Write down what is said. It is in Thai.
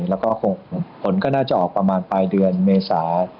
แล้วก็ผลก็น่าจะออกประมาณปลายเดือนเมษา